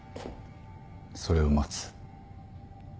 それを待つ。